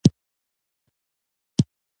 موټر باید له غلا خوندي وساتل شي.